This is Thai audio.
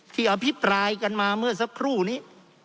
อภิปรายกันมาเมื่อสักครู่นี้